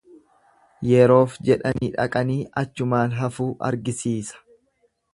Yeroof jedhanii dhaqanii achumaan hafuu argisiisa.